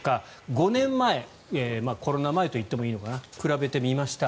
５年前コロナ前といってもいいのかな比べてみました。